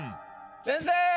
先生！